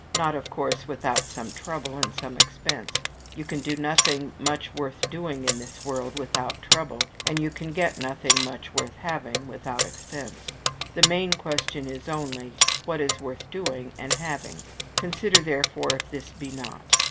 Not, of course, without some trouble and some expense; you can do nothing much worth doing, in this world, without trouble, you can get nothing much worth having without expense. The main question is only what is worth doing and having: Consider, therefore, if this be not.